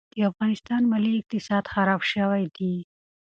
د افغانستان مالي اقتصاد خراب شوی دي.